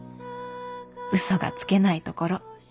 嘘がつけないところ。